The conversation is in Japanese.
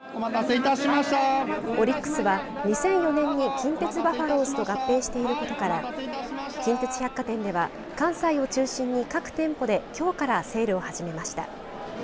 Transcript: オリックスは２００４年に近鉄バファローズと合併していることから近鉄百貨店では関西を中心に各店舗できょうからセールを始めました。